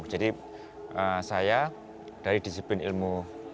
jadi saya dari disiplin ilmu